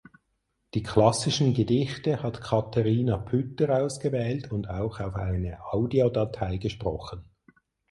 Die klassischen Gedichte hat Katharina Pütter ausgewählt und auch auf eine Audiodatei gesprochen.